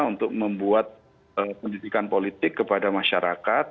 untuk membuat pendidikan politik kepada masyarakat